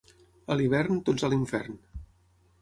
A l'hivern, tots a l'infern.